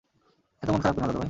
এতো মন খারাপ কেন, দাদু ভাই?